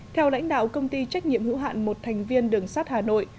theo lãnh đạo công ty trách nhiệm hữu hạn một thành viên đường sắt hà nội